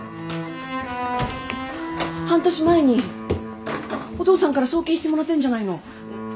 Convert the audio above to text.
半年前にお父さんから送金してもらってんじゃないの。